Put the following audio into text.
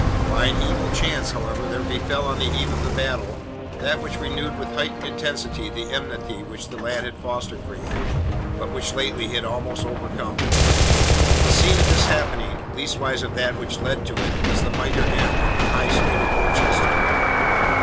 By an evil chance, however, there befell on the eve of the battle that which renewed with heightened intensity the enmity which the lad had fostered for him, but which lately he had almost overcome. The scene of this happening leastways of that which led to it was The Mitre Inn, in the High Street of Worcester.